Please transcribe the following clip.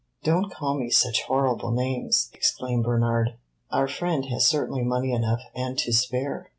"Don't call me such horrible names!" exclaimed Bernard. "Our friend has certainly money enough and to spare."